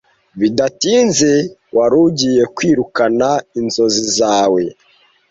Bidatinze, wari ugiye kwirukana inzozi zawe